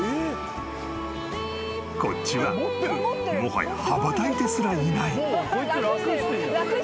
［こっちはもはや羽ばたいてすらいない］